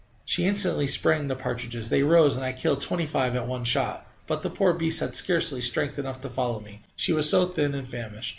She instantly sprang the partridges; they rose, and I killed twenty five at one shot. But the poor beast had scarcely strength enough to follow me, she was so thin and famished.